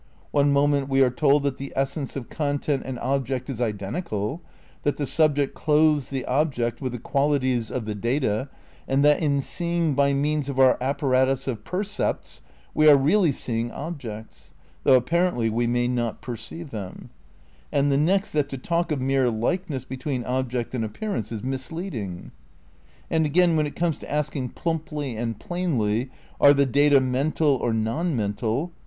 One moment we are told that the essence of content and object is identical, that the subject clothes the object with the qualities of the data and that in see ing by means of our apparatus of percepts we are real ly seeing objects (though apparently we may not per ceive them) ; and the next that to talk of mere likeness between object and appearance is misleading. And again, when it comes to asking plumply and plainly, Are the data mental or non mental?